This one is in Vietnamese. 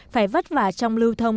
phải vất vả trong lưu thông